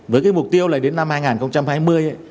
với mục tiêu đến năm hai nghìn hai mươi